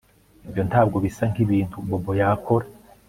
Ibyo ntabwo bisa nkibintu Bobo yakora